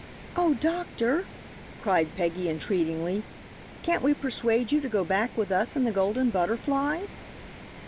"Oh, doctor," cried Peggy, entreatingly, "can't we persuade you to go back with us in the Golden Butterfly?"